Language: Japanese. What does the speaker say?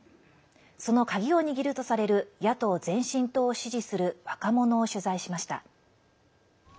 その鍵を握るとされる野党前進党を支持する若者を取材しました。